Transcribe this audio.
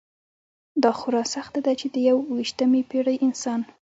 دا خورا سخته ده چې د یویشتمې پېړۍ انسان.